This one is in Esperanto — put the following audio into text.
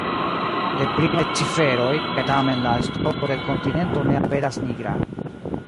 Deprimaj ciferoj, kaj tamen la estonto de l’ kontinento ne aperas nigra.